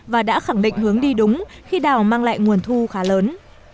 và đã khẳng định hướng đi đúng khi đào mang lại nguồn thu khá lớn